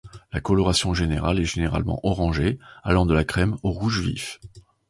La coloration générale est généralement orangée, allant de la crème au rouge vif.